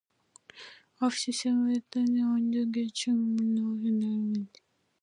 After several mergers and changes of ownership it now forms part of Alexander Dennis.